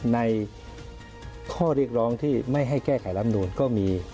ในข้อเรียกร้องที่ไม่ให้แก้ไขรำนูนก็มี